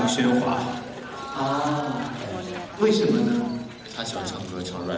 พบกันด้วยไอหนุ่มมีทุกคนที่ไม่รับยูทีนะครับ